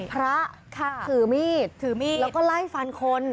พระถือมีดแล้วก็ไล่ฟันคน